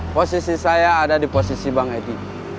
posisi saya ada di posisi bang edi